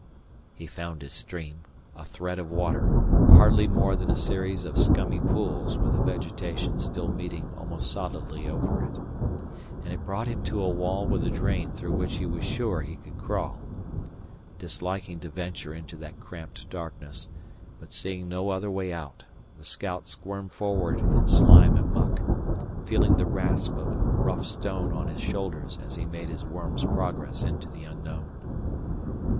He found his stream, a thread of water, hardly more than a series of scummy pools with the vegetation still meeting almost solidly over it. And it brought him to a wall with a drain through which he was sure he could crawl. Disliking to venture into that cramped darkness, but seeing no other way out, the scout squirmed forward in slime and muck, feeling the rasp of rough stone on his shoulders as he made his worm's progress into the unknown.